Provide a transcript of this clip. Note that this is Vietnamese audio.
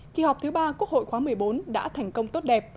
kỳ họp thứ ba quốc hội khóa một mươi bốn đã thành công tốt đẹp